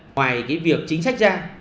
ngoài cái việc chính sách ra